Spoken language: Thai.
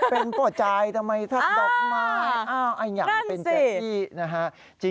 เป็นประจายทำไมทัดดอกไม้อย่างเป็นเกดอี้